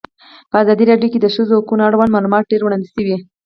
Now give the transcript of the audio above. په ازادي راډیو کې د د ښځو حقونه اړوند معلومات ډېر وړاندې شوي.